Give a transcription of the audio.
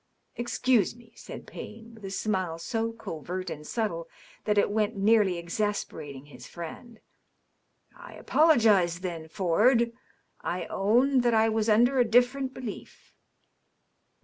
" Excuse me," said Payne, with a smile so covert and subtle that it went near exasperatiiig his friend ;" I apologize, then, Ford. I own that I was under a dirorent belief."